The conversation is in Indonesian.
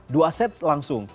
dua set langsung